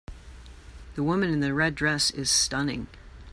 The woman in the red dress is stunning.